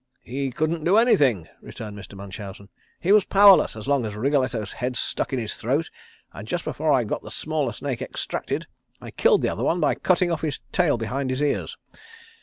"He couldn't do anything," returned Mr. Munchausen. "He was powerless as long as Wriggletto's head stuck in his throat and just before I got the smaller snake extracted I killed the other one by cutting off his tail behind his ears.